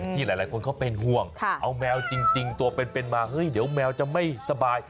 ที่หลายคนเขาเป็นห่วงเอาแมวจริงตัวเป็นมาเฮ้ยเดี๋ยวแมวจะไม่สบาย